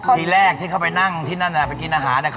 ทีแรกที่เขาไปนั่งที่นั่นไปกินอาหาร